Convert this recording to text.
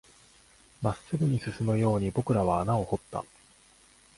真っ直ぐに進むように僕らは穴を掘った